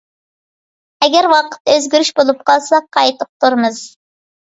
ئەگەر ۋاقىتتا ئۆزگىرىش بولۇپ قالسا قايتا ئۇقتۇرىمىز.